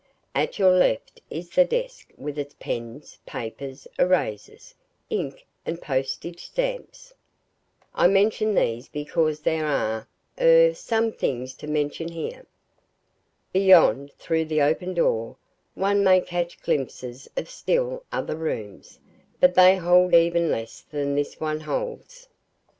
At your left is the desk with its pens, paper, erasers, ink and postage stamps. I mention these because there are er so few things to mention here. Beyond, through the open door, one may catch glimpses of still other rooms; but they hold even less than this one holds.